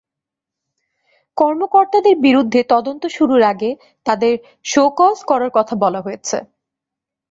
কর্মকর্তাদের বিরুদ্ধে তদন্ত শুরুর আগে তাঁদের শোকজ করার কথা বলা হয়েছে।